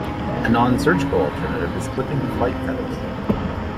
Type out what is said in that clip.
A non-surgical alternative is clipping the flight feathers.